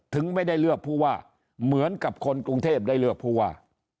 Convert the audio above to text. ถึงไม่ได้เลือกผู้ว่าเหมือนกับคนกรุงเทพได้เลือกผู้ว่า